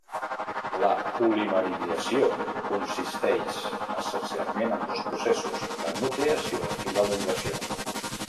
La polimerització consisteix essencialment en dos processos: la nucleació i l'elongació.